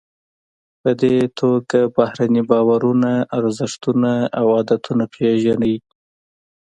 په دې توګه بهرني باورونه، ارزښتونه او عادتونه پیژنئ.